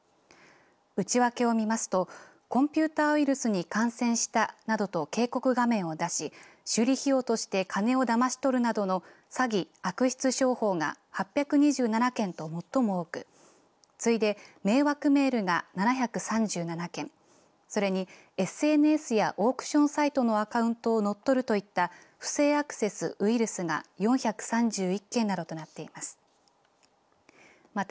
内訳を見ますとコンピューターウイルスに感染したなどと警告画面を出し修理費用として金をだまし取るなどの詐欺・悪質商法が８２７件と最も多く次いで迷惑メールが７３７件それにＳＮＳやオークションサイトのアカウントを乗っ取るといった不正アクセス・ウイルスが４３１件などとなっています。